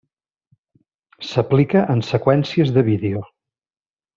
S’aplica en seqüències de vídeo.